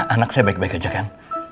anak saya baik baik aja kan